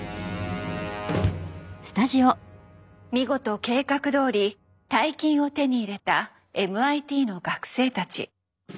見事計画どおり大金を手に入れたＭＩＴの学生たち。